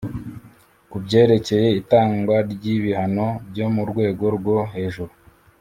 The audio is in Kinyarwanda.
Ku byerekeye itangwa ry ibihano byo mu rwego rwo hejuru